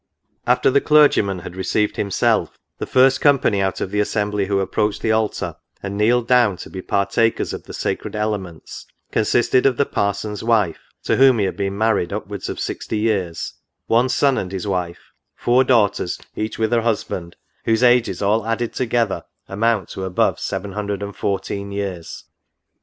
After the clergyman had received himself, the first company out of the assembly who approached the altar, and kneeled down to be partakers of the sacred ele ments, consisted of the parson's wife, to whom he had been married upwards of sixty years : one son and his wife ; four daughters, each with her husband ; whose ages all added to gether amount to above 714 years.